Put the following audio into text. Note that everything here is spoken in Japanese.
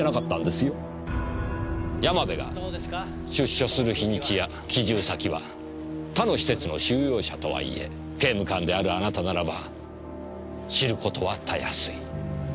山部が出所する日にちや帰住先は他の施設の収容者とはいえ刑務官であるあなたならば知ることはたやすい。